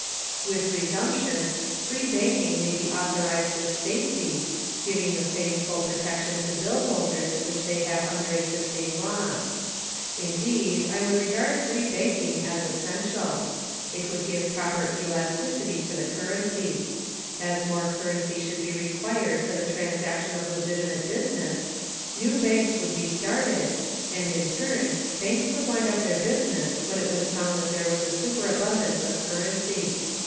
With resumption, free banking may be authorized with safety, giving the same full protection to bill holders which they have under existing laws. Indeed, I would regard free banking as essential. It would give proper elasticity to the currency. As more currency should be required for the transaction of legitimate business, new banks would be started, and in turn banks would wind up their business when it was found that there was a superabundance of currency.